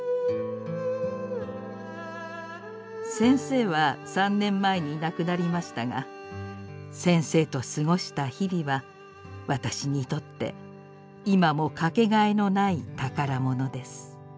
「先生は３年前に亡くなりましたが先生と過ごした日々は私にとって今も掛けがえのない宝物です」。